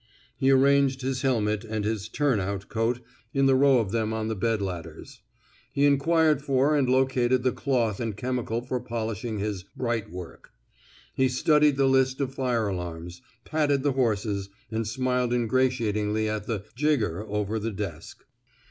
He arranged his helmet and his turnout '' coat in the row of them on the bed ladders. He inquired for and located the cloth and chemical for polish ing his bright work.'' He studied the list of fire alarms, patted the horses, and smiled ingratiatingly at the jigger '' over the desk.